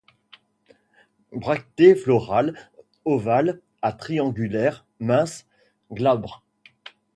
Bractées florales ovales à triangulaires, minces, glabres.